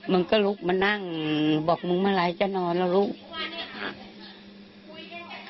มึงก็ลุกมานั่งบอกมึงเมื่อไหร่จะนอนแล้วลูก